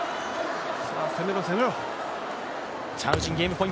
攻めろ、攻めろ。